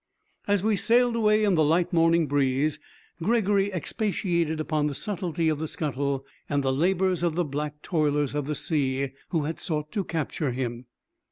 As we sailed away in the light morning breeze, Gregory expatiated upon the subtlety of the scuttle and the labors of the black toilers of the sea, who had sought to capture him.